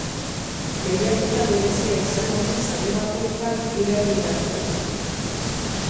Lehiaketa berezia izango du saio bakoitzak irailera arte.